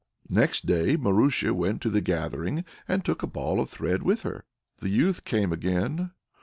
Next day Marusia went to the gathering, and took a ball of thread with her. The youth came again.